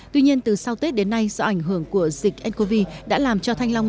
tuy nhiên từ sau tết đến nay do ảnh hưởng của dịch ncov đã làm cho thanh long